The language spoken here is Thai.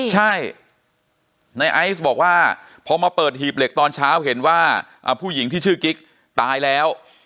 ใช่ในไอซ์บอกว่าพอมาเปิดหีบเหล็กตอนเช้าเห็นว่าผู้หญิงที่ชื่อกิ๊กตายแล้ว